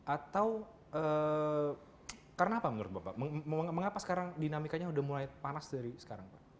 atau karena apa menurut bapak mengapa sekarang dinamikanya sudah mulai panas dari sekarang pak